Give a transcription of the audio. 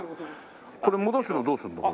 これ戻すのどうするの？